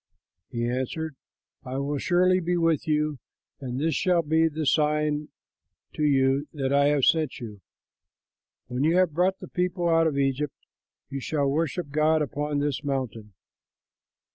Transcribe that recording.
He answered, "I will surely be with you; and this shall be the sign to you that I have sent you: when you have brought the people out of Egypt, you shall worship God upon this mountain."